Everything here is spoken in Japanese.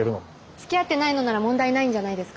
つきあってないのなら問題ないんじゃないですか？